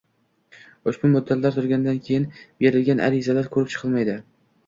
Ushbu muddatlar tugagandan keyin berilgan arizalar ko‘rib chiqilmaydi.